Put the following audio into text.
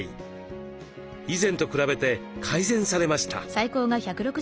以前と比べて改善されました。